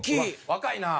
若いな！